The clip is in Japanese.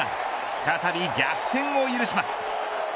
再び逆転を許します。